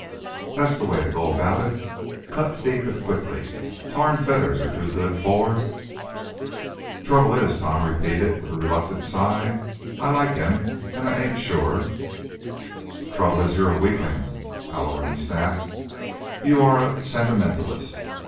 That's the way to go about it; cut deep and quickly. Tar and feathers are too good for " "Trouble is," Tom repeated, with a reluctant sigh, "I like him and I ain't sure " "The trouble is you're a weakling!" Halloran snapped. "You are a sentimentalist.